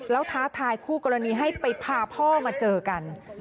แล้วท้าทายคู่กรณีให้ไปพาพ่อมาเจอกัน